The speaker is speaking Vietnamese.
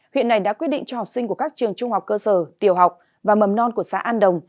huyện này đã quyết định cho học sinh của các trường trung học cơ sở tiểu học và mầm non của xã an đồng